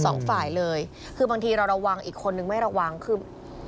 สองฝ่ายเลยคือบางทีเราระวังอีกคนนึงไม่ระวังคือ